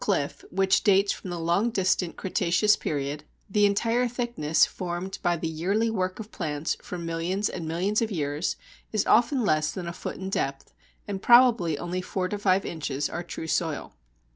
] On a chalk cliff, which dates from the long distant Cretaceous period, the entire thickness formed by the yearly work of plants for millions and millions of years is often less than a foot in depth, and probably only four to five inches are true soil.